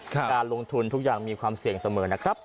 การลงทุนทุกอย่างมีความเสี่ยงเสมอนะครับ